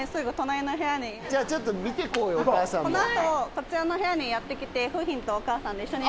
この後こちらの部屋にやって来て楓浜とお母さんで一緒に。